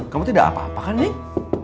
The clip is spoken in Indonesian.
kamu tidak apa apa kan nik